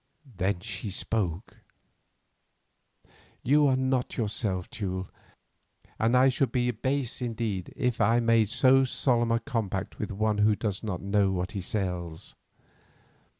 Then she spoke: "You are not yourself, Teule, and I should be base indeed if I made so solemn a compact with one who does not know what he sells.